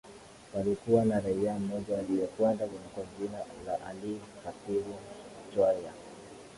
Palikuwa na raia mmoja aliyekwenda kwa jina la Ali Khatibu Chwaya